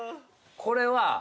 これは。